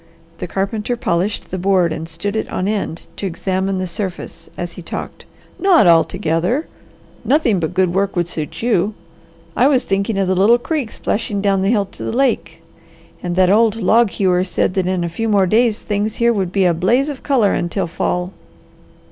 The carpenter polished the board and stood it on end to examine the surface as he talked. "Not altogether! Nothing but good work would suit you. I was thinking of the little creek splashing down the hill to the lake; and that old log hewer said that in a few more days things here would be a blaze of colour until fall."